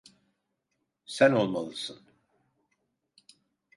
Sen olmalısın.